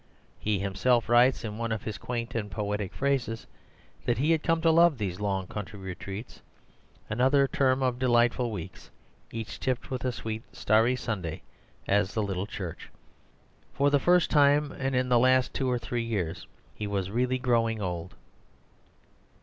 He himself writes in one of his quaint and poetic phrases that he had come to love these long country retreats, "another term of delightful weeks, each tipped with a sweet starry Sunday at the little church." For the first time, and in the last two or three years, he was really growing old.